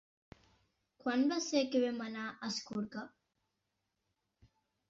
Quan va ser que vam anar a Escorca?